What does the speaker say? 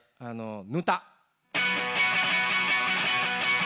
ぬた。